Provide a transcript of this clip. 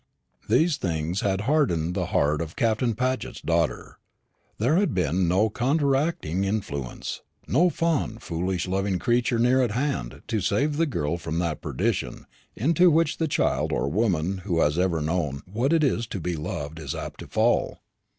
These things had hardened the heart of Captain Paget's daughter. There had been no counteracting influence no fond, foolish loving creature near at hand to save the girl from that perdition into which the child or woman who has never known what it is to be loved is apt to fall.